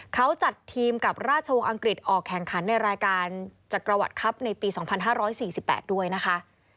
เขาจัดทีมกับราชวงศ์อังกฤษออกแข่งขันในรายการจักรวรรดิครับในปี๒๕๔๘ด้วยนะคะ